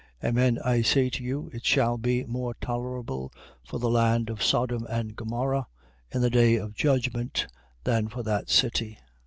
10:15. Amen I say to you, it shall be more tolerable for the land of Sodom and Gomorrha in the day of judgment, than for that city.